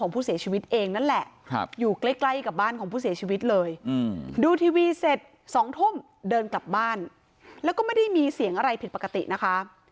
พีชเสร็จ๒ท่มเดินกลับบ้านแล้วก็ไม่ได้มีเสี่ยงอะไรผิดปกตินะคะ